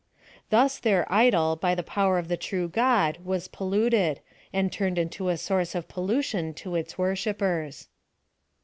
Thus tiieir idol, by the power of the true God was pollu ted, and turned into a source of pollution to its worshippers.